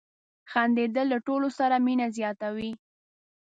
• خندېدل له ټولو سره مینه زیاتوي.